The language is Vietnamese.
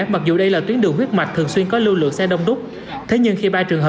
mặc dù đây là tuyến đường huyết mạch thường xuyên có lưu lượng xe đông đúc thế nhưng khi ba trường hợp